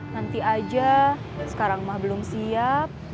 nanti aja sekarang mah belum siap